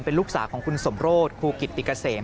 เป็นลูกสาวของคุณสมโรธครูกิตติเกษม